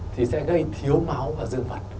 thì sẽ gây thiếu máu vào dương vật